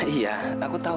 iya aku tahu